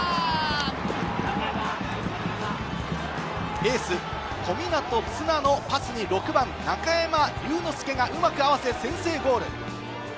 エース・小湊絆のパスに６番・中山竜之介がうまく合わせ、先制ゴール。